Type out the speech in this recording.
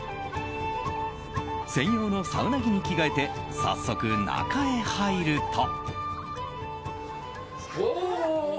専用のサウナ着に着替えて早速、中へ入ると。